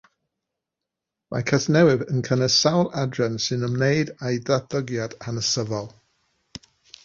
Mae Casnewydd yn cynnwys sawl adran sy'n ymwneud â'i ddatblygiad hanesyddol.